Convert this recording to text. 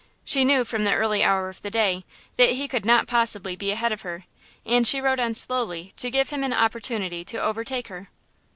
She knew, from the early hour of the day, that he could not possibly be ahead of her, and she rode on slowly to give him an opportunity to overtake her.